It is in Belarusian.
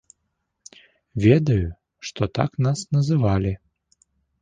Ведаю, што так нас называлі.